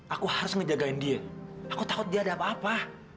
aku harus ngejagain dia aku takut dia ada apa apa